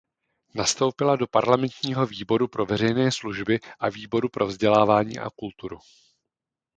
Nastoupila do parlamentního výboru pro veřejné služby a výboru pro vzdělávání a kulturu.